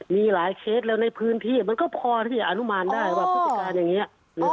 มีหลายเคสแล้วในพื้นที่มันก็พอที่จะอนุมานได้ว่าพฤติการอย่างนี้